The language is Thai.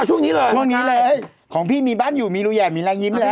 ช่วงนี้เลยช่วงนี้เลยของพี่มีบ้านอยู่มีรูใหญ่มีรอยยิ้มเลย